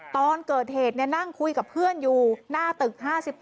ตอนเกิดเหตุนั่งคุยกับเพื่อนอยู่หน้าตึก๕๘